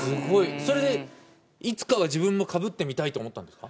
それでいつかは自分もかぶってみたいと思ったんですか？